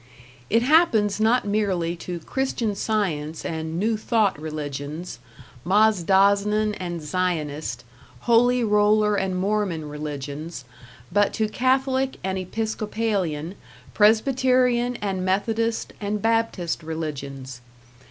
It happens not merely to Christian Science and New Thought religions, Mazdaznan and Zionist, Holy Roller and Mormon religions, but to Catholic and Episcopalian, Presbyterian and Methodist and Baptist religions.